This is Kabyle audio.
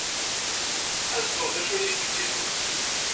Sḥasfeɣ d acu ayagi d tidett.